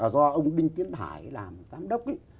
do ông binh tiến hải làm giám đốc